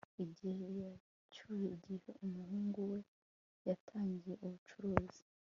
Igihe yacyuye igihe umuhungu we yatangiye ubucuruzi